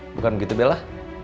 bukan begitu bella